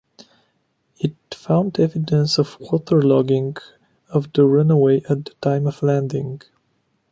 It found evidence of waterlogging of the runway at the time of landing.